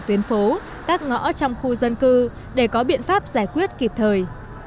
tuyến phố các ngõ trong khu dân cư để có biện pháp giải quyết kịp thời